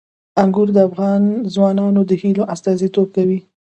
انګور د افغان ځوانانو د هیلو استازیتوب کوي.